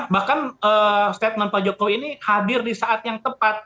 bahkan statement pak jokowi ini hadir di saat yang tepat